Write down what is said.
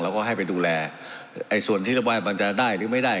ก็ให้ไปดูแลไอ้ส่วนที่ระบายมันจะได้หรือไม่ได้